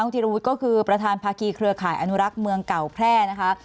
ธิรวุฒิก็คือประธานภาคีเครือข่ายอนุรักษ์เมืองเก่าแพร่นะคะ